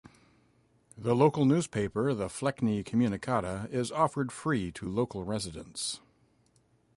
The local newspaper, "The Fleckney Communicata", is offered free to local residents.